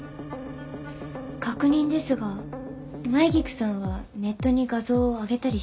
確認ですが舞菊さんはネットに画像を上げたりしてないですよね？